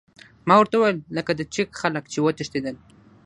ما ورته وویل: لکه د چیک خلک، چې وتښتېدل.